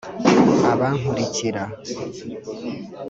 abankurikira